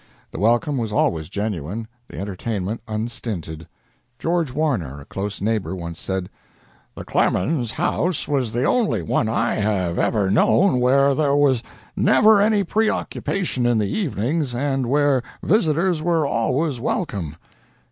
The welcome was always genuine, the entertainment unstinted. George Warner, a close neighbor, once said: "The Clemens house was the only one I have ever known where there was never any preoccupation in the evenings and where visitors were always welcome.